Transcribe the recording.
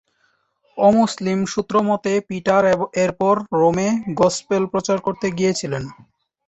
অমুসলিম সূত্র মতে পিটার এরপর রোমে গসপেল প্রচার করতে গিয়েছিলেন।